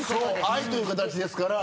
愛という形ですから。